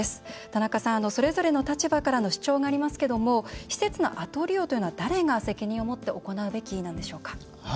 田中さん、それぞれの立場からの主張がありますけども施設の後利用というのは誰が責任を持って行うべきなんでしょうか。